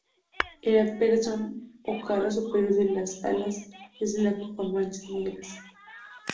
El anverso o cara superior de las alas es blanco con manchas negras.